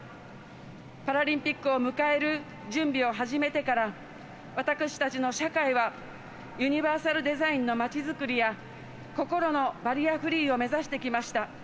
パラリンピックを迎える準備を始めてから、私たちの社会はユニバーサルデザインのまちづくりや心のバリアフリーを目指してきました。